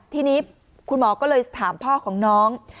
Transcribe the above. ทีนี้คุณหมอก็เลยถามพ่อของน้อง